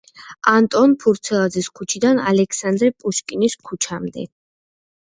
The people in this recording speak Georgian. ანტონ ფურცელაძის ქუჩიდან ალექსანდრე პუშკინის ქუჩამდე.